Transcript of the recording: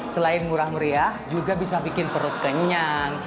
selain murah meriah juga bisa bikin perut kenyang